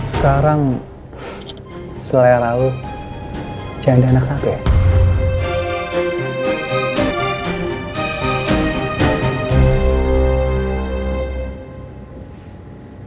sekarang selera lo jangan ada anak satu ya